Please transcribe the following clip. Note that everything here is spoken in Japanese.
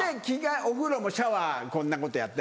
お風呂もシャワーこんなことやって。